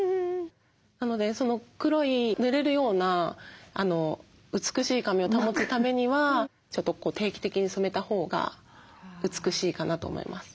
なのでその黒いぬれるような美しい髪を保つためには定期的に染めたほうが美しいかなと思います。